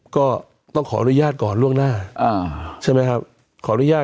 ก็ต้องขออนุญาตต่อเรื่องหน้า